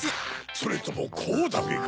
それともこうだべか？